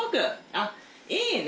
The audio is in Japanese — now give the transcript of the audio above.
あっいいね。